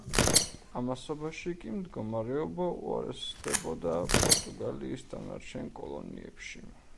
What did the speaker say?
ამასობაში კი მდგომარეობა უარესდებოდა პორტუგალიის დანარჩენ კოლონიებში.